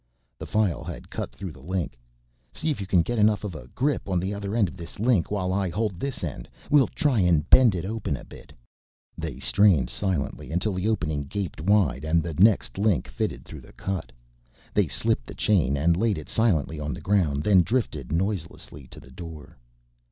_" The file had cut through the link. "See if you can get enough of a grip on the other end of this link while I hold this end, we'll try and bend it open a bit." They strained silently until the opening gaped wide and the next link fitted through the cut. They slipped the chain and laid it silently on the ground, then drifted noiselessly to the door.